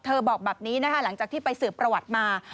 บอกแบบนี้นะคะหลังจากที่ไปสืบประวัติมา